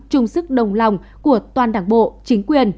chung sức đồng lòng của toàn đảng bộ chính quyền